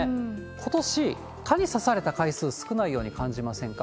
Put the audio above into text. ことし、蚊に刺された回数、少ないように感じませんか？